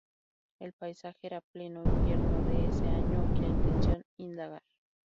El paisaje era pleno invierno de ese año y la intención, indagar.